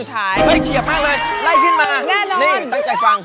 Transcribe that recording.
ตั้งใจฟัง